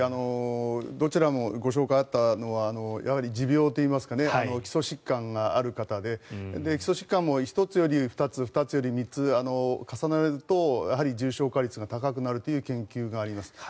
どちらもご紹介あったのは持病といいますか基礎疾患がある方で基礎疾患も１つより２つ２つより３つ重なるとやはり重症化率が高くなるという研究があります。